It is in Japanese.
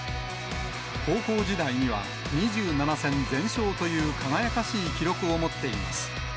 高校時代には、２７戦全勝という輝かしい記録を持っています。